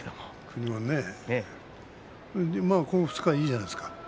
この２日、いいんじゃないですか。